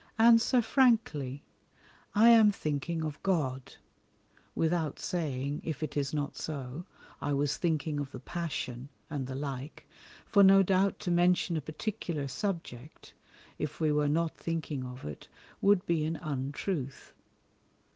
answer frankly, "I am thinking of God," without saying (if it is not so), I was thinking of the Passion, and the like, for no doubt to mention a particular subject (if we were not thinking of it) would be an untruth.